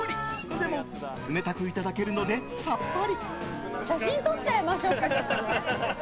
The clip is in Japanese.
でも、冷たくいただけるのでさっぱり！